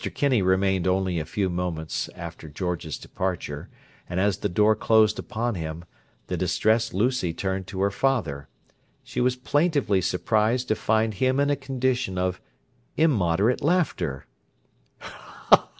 Kinney remained only a few moments after George's departure; and as the door closed upon him, the distressed Lucy turned to her father. She was plaintively surprised to find him in a condition of immoderate laughter.